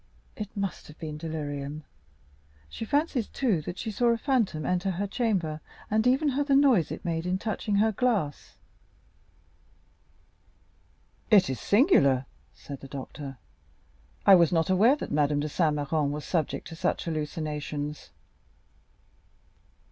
It must have been delirium; she fancies, too, that she saw a phantom enter her chamber and even heard the noise it made on touching her glass." "It is singular," said the doctor; "I was not aware that Madame de Saint Méran was subject to such hallucinations."